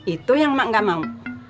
itu yang mak gak mau